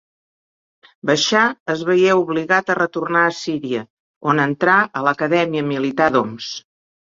Baixar es veié obligat a retornar a Síria, on entrà a l'acadèmia militar d'Homs.